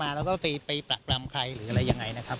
มีอะไรกระแสมาแล้วก็ตีปรักรำใครหรืออะไรยังไงนะครับ